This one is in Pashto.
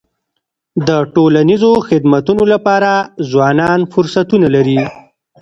د ټولنیزو خدمتونو لپاره ځوانان فرصتونه لري.